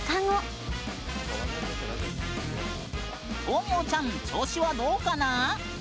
豆苗ちゃん調子はどうかな？